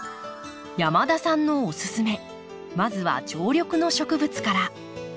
山田さんのおすすめまずは常緑の植物から。